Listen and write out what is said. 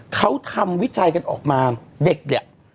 เขาทำวิจัยกันออกมาเด็กเนี่ย